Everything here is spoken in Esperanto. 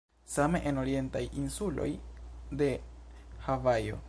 Same en orientaj insuloj de Havajo.